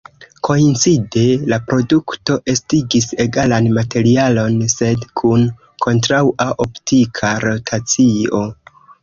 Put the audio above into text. Koincide, la produkto estigis egalan materialon sed kun kontraŭa optika rotacio.